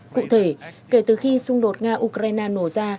cụ thể kể từ khi xung đột nga ukraine nổ ra